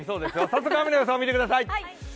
早速、雨の様子を見てください。